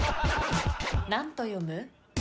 何と読む？